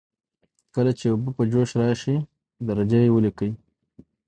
کله چې اوبه په جوش راشي درجه یې ولیکئ.